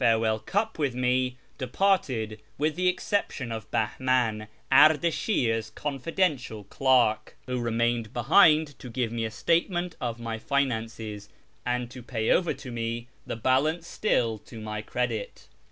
YEZD 417 well cup with me, departed, with the exception of Bahman, Ardashir's confidential clerk, who remained behind to give me a statement of my finances, and to pay over to me the balance still to my credit.